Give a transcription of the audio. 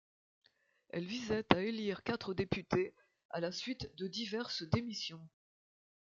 Elle visait à élire quatre députés à la suite de diverses démissions.